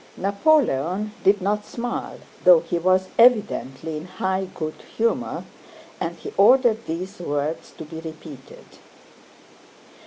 Napoleon did not smile, though he was evidently in high good humor, and he ordered these words to be repeated.